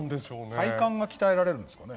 体幹が鍛えられるんですかね。